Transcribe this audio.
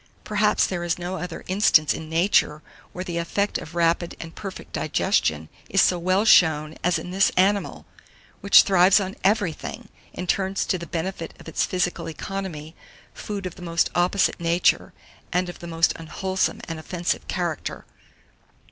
Perhaps there is no other instance in nature where the effect of rapid and perfect digestion is so well shown as in this animal, which thrives on everything, and turns to the benefit of its physical economy, food of the most opposite nature, and of the most unwholesome and offensive character.